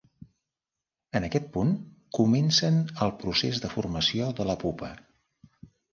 En aquest punt, comencen el procés de formació de la pupa.